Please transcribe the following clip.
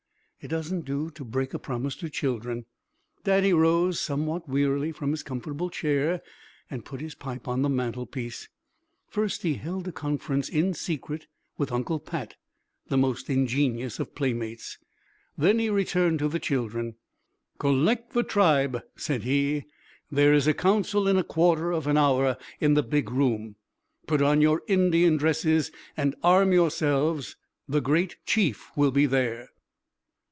It doesn't do to break a promise to children. Daddy rose somewhat wearily from his comfortable chair and put his pipe on the mantelpiece. First he held a conference in secret with Uncle Pat, the most ingenious of playmates. Then he returned to the children. "Collect the tribe," said he. "There is a Council in a quarter of an hour in the big room. Put on your Indian dresses and arm yourselves. The great Chief will be there!"